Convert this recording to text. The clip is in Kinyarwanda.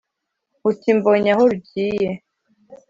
uti:" mbonye aho rugiye.